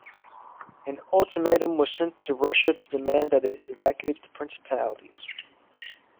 An ultimatum was sent to Russia to demand that it evacuate the Principalities.